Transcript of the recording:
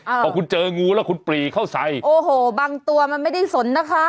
เพราะคุณเจองูแล้วคุณปรีเข้าใส่โอ้โหบางตัวมันไม่ได้สนนะคะ